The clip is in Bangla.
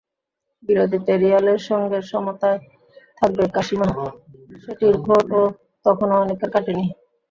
বিরতিতে রিয়ালের সঙ্গে সমতায় থাকবে কাশিমা, সেটির ঘোরও তখনো অনেকের কাটেনি।